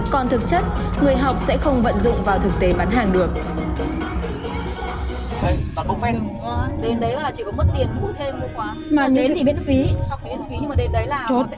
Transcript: còn thực chất người học sẽ không vận dụng vào thực tế bán hàng được